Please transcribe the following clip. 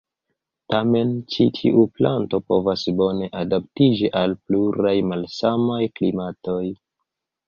Tamen ĉi tiu planto povas bone adaptiĝi al pluraj malsamaj klimatoj.